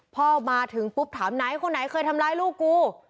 พ่อมาถึงปุ๊บถามไหนคนไหนเคยทำร้ายลูกกู